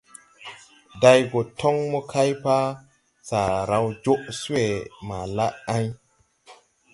Day go toŋ mo kay pa, saara raw joʼ swé ma la ɛŋ.